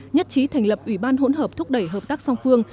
nhất trí thành lập ủy ban hỗn hợp thúc đẩy hợp tác song phương